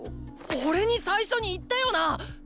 おれに最初に言ったよなッ！